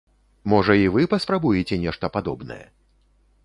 Можа, і вы паспрабуеце нешта падобнае?